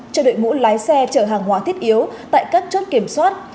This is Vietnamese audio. cho đội ngũ lái xe chở hàng hóa thiết yếu tại các chốt kiểm soát